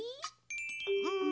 うん。